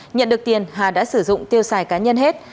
nhận được tiền hà đã sử dụng tiêu xài cá nhân hết